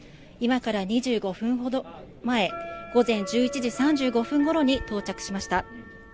今から２５分ほど前、午前１１時３５分ごろに到着しました。